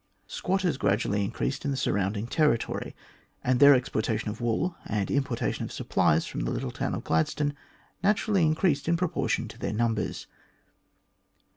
Squatters gradually increased in the surrounding territory, and their exportation of wool and importation of supplies from the town of Gladstone naturally increased in proportion to their numbers.